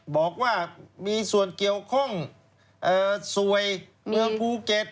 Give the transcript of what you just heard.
บอกว่ามีส่วนเกี่ยวข้องสวยเมืองภูเก็ต